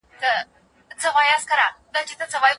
تر څو دغه شرعي عمل ئې په صدقه کي حساب سي.